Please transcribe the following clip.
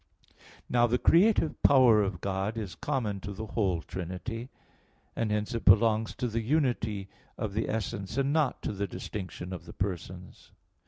Now, the creative power of God is common to the whole Trinity; and hence it belongs to the unity of the essence, and not to the distinction of the persons.